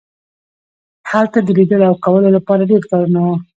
هلته د لیدلو او کولو لپاره ډیر کارونه وو